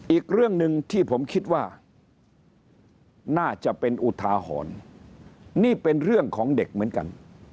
อีกเรื่องหนึ่งที่ผมคิดว่าน่าจะเป็นอุทาหรณ์นี่เป็นเรื่องของเด็กเหมือนกัน